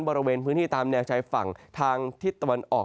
บริเวณพื้นที่ตามแนวชายฝั่งทางทิศตะวันออก